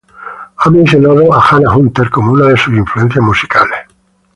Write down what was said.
Ha mencionado a Jana Hunter como una de sus influencias musicales.